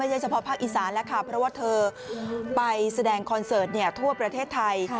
เฉพาะภาคอีสานแล้วค่ะเพราะว่าเธอไปแสดงคอนเสิร์ตทั่วประเทศไทย